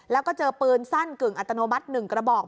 แล้วก็เจอปืนสั้นกึ่งอัตโนมัติ๑กระบอก